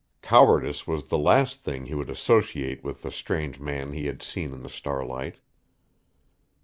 Cowardice was the last thing he would associate with the strange man he had seen in the starlight.